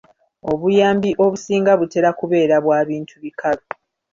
Obuyambi obusinga butera kubeera bwa bintu bikalu.